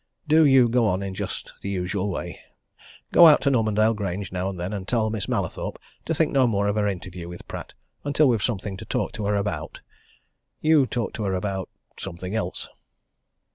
Do you go on in just the usual way. Go out to Normandale Grange now and then and tell Miss Mallathorpe to think no more of her interview with Pratt until we've something to talk to her about. You talk to her about something else."